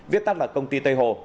viết tắt là công ty tây hồ